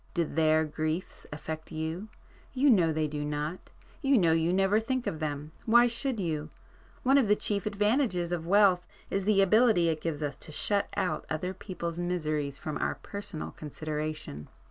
Do their griefs affect you? You know they do not,—you know you never think of them,—why should you? One of the chief advantages of wealth is the ability it gives us to shut out other people's miseries from our personal consideration."